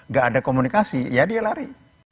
gak ada komunikasi ya dia lari